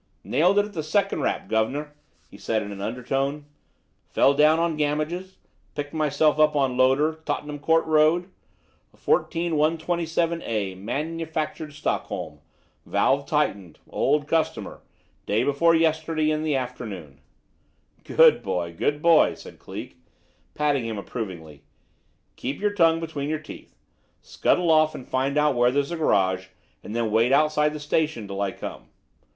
"Nailed it at the second rap, guv'ner," he said in an undertone. "Fell down on Gamage's, picked myself up on Loader, Tottenham Court Road; 14127 A, manufactured Stockholm. Valve tightened old customer day before yesterday in the afternoon." "Good boy! good boy!" said Cleek, patting him approvingly. "Keep your tongue between your teeth. Scuttle off, and find out where there's a garage, and then wait outside the station till I come."